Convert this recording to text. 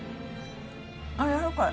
あっやわらかい。